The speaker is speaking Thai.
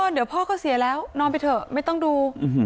เดี๋ยวพ่อก็เสียแล้วนอนไปเถอะไม่ต้องดู